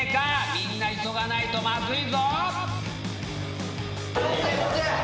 みんな急がないとまずいぞ！